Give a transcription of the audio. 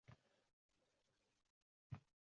Buni hech kim inkor qila olmaydi.